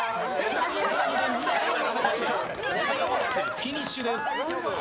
フィニッシュです。